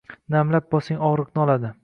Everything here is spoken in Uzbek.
Namlab bosing, ogʻriqni oladi.